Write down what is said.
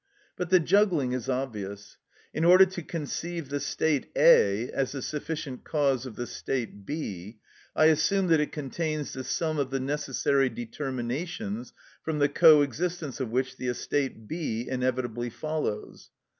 But the juggling is obvious. In order to conceive the state A. as the sufficient cause of the state B., I assume that it contains the sum of the necessary determinations from the co existence of which the estate B. inevitably follows.